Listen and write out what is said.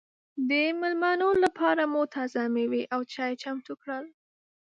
د مېلمنو لپاره مو تازه مېوې او چای چمتو کړل.